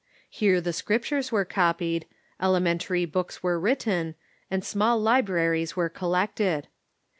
Here the Scriptures were copied, elementary books were written, and small libraries were collected.